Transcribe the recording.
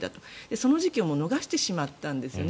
その時機を逃してしまったんですよね。